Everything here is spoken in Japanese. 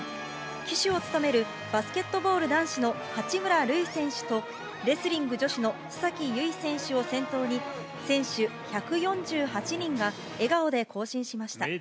旗手を務めるバスケットボール男子の八村塁選手と、レスリング女子の須崎優衣選手を先頭に、選手１４８人が笑顔で行進しました。